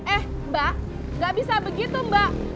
eh mbak gak bisa begitu mbak